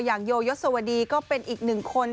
อย่างโยยสวดีก็เป็นอีกหนึ่งคน